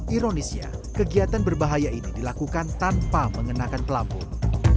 ironisnya kegiatan berbahaya ini dilakukan tanpa mengenakan pelampung